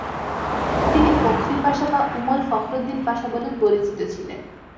তিনি ফখরি পাশা বা উমর ফখরুদ্দিন পাশা বলেও পরিচিত ছিলেন।